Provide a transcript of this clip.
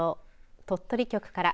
鳥取局から。